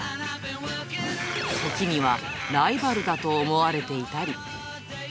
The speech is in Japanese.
時にはライバルだと思われていたり。